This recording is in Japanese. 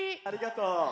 ありがとう。